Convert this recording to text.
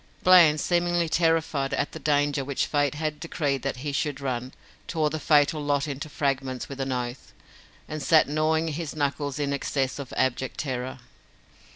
Bland, seemingly terrified at the danger which fate had decreed that he should run, tore the fatal lot into fragments with an oath, and sat gnawing his knuckles in excess of abject terror.